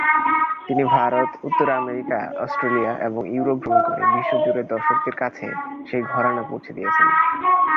তিনি ভারত, উত্তর America, Australia এবং ইউরোপ ভ্রমণ করে বিশ্বজুড়ে দর্শকদের কাছে সেই ঘরানা পৌঁছে দিয়েছেন।